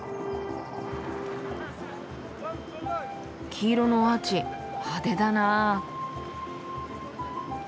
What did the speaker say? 黄色のアーチ派手だなあ。